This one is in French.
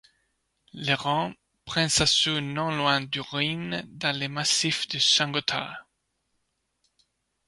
Le Rhône prend sa source non loin du Rhin dans le massif du Saint-Gothard.